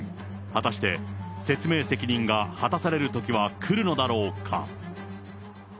果たして、説明責任が果たされる時は来るのだろうか。